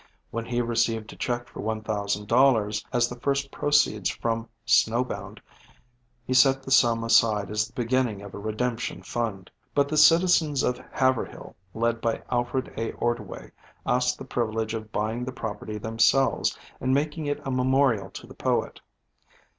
When he received a check for $1,000 as the first proceeds from "Snow Bound," he set the sum aside as the beginning of a redemption fund. But the citizens of Haverhill, led by Alfred A. Ordway, asked the privilege of buying the property themselves, and making it a memorial to the poet.